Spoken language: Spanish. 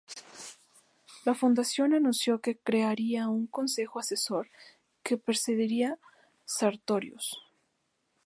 La fundación anunció que crearía un Consejo Asesor que presidiría Sartorius.